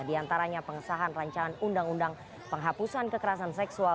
di antaranya pengesahan rancangan undang undang penghapusan kekerasan seksual